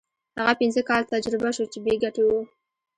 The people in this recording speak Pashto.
هغه پنځه کاله تجربه شو چې بې ګټې وو.